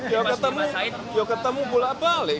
ya ketemu pulak balik